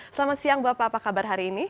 selamat siang bapak apa kabar hari ini